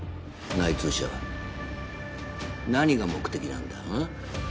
内通者は何が目的なんだうん？